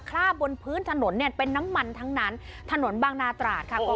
คลาบบนพื้นถนนเนี้ยเป็นน้ำมันทั้งนั้นถนวัลุรประวัติบาลหน้าตราศาสตร์ค่ะ